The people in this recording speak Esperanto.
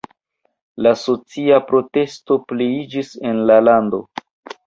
La socia protesto pliiĝis en la lando.